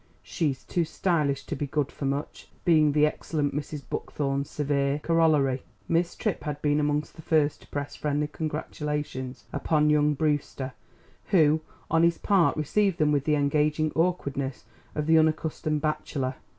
"She's too stylish to be good for much," being the excellent Mrs. Buckthorn's severe corollary. Miss Tripp had been among the first to press friendly congratulations upon young Brewster, who on his part received them with the engaging awkwardness of the unaccustomed bachelor.